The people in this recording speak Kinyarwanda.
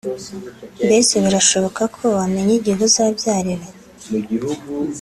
Mbese birashoboka ko wamenya igihe uzabyarira